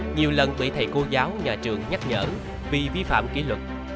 nhiều lần bị thầy cô giáo nhà trường nhắc nhở vì vi phạm kỷ luật